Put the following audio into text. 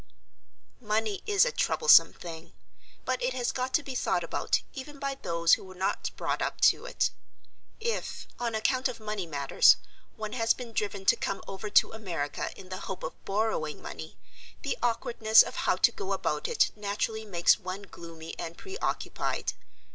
Money is a troublesome thing. But it has got to be thought about even by those who were not brought up to it. If, on account of money matters, one has been driven to come over to America in the hope of borrowing money, the awkwardness of how to go about it naturally makes one gloomy and preoccupied.